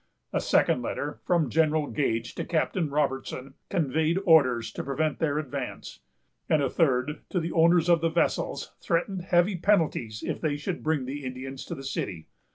A second letter, from General Gage to Captain Robertson, conveyed orders to prevent their advance; and a third, to the owners of the vessels, threatened heavy penalties if they should bring the Indians to the city.